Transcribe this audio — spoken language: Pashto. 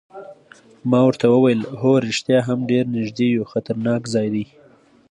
ما ورته وویل: هو رښتیا هم ډېر نږدې یو، خطرناک ځای دی.